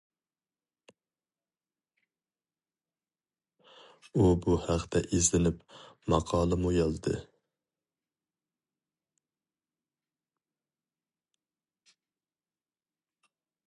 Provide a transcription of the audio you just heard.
ئۇ بۇ ھەقتە ئىزدىنىپ ماقالىمۇ يازدى.